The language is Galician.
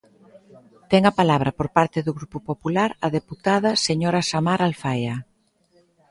Ten a palabra, por parte do Grupo Popular, a deputada señora Samar Alfaia.